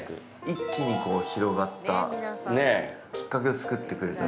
◆一気に広がったきっかけを作ってくれた。